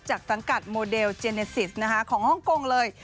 สังกัดโมเดลเจเนซิสของฮ่องกงเลย